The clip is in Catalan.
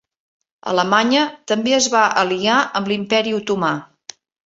Alemanya també es va aliar amb l'Imperi Otomà.